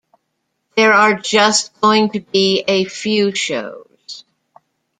There are just going to be a few shows.